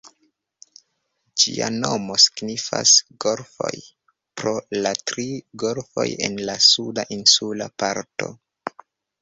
Ĝia nomo signifas "Golfoj", pro la tri golfoj en la suda insula parto.